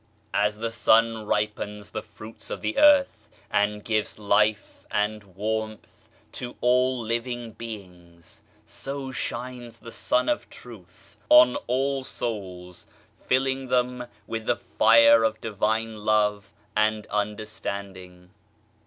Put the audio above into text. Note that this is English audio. As the sun ripens the fruits of the earth, and gives life and warmth to all living beings, so shines the Sun of Truth on all souls, filling them with the fire of Divine Love and understanding.